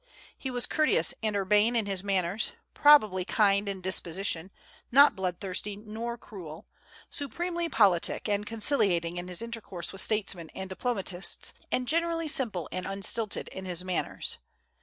He was courteous and urbane in his manners, probably kind in disposition, not bloodthirsty nor cruel, supremely politic and conciliating in his intercourse with statesmen and diplomatists, and generally simple and unstilted in his manners.